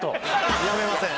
やめません！